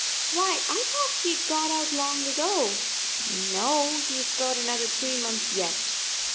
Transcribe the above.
"Why, I thought he'd got out long ago." "No, he's got another three months yet."